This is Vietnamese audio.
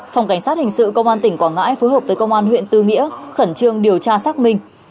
phòng cảnh sát hình sự công an tỉnh quảng ngãi phối hợp với công an huyện tư nghĩa khẩn trương điều tra xác minh